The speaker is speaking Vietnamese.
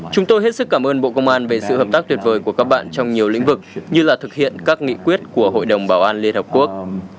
chúng tôi hết sức cảm ơn bộ công an về sự hợp tác tuyệt vời của các bạn trong nhiều lĩnh vực như là thực hiện các nghị quyết của hội đồng bảo an liên hợp quốc